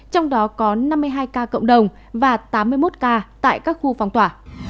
trong đó có năm mươi hai ca cộng đồng và tám mươi một ca tại các khu phong tỏa